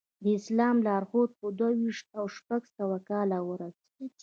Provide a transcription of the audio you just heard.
د اسلام لارښود په دوه ویشت او شپږ سوه کال ورسېد.